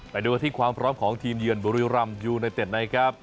ไปดูอาทิตย์ความพร้อมของทีมเยือนบริรัมยูในเต็ดไหนครับ